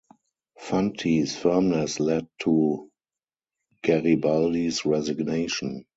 Fanti's firmness led to Garibaldi's resignation.